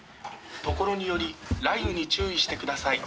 所により雷雨に注意してください。